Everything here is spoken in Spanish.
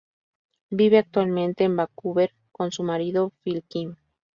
Vive actualmente en Vancouver con su marido, Phil Kim.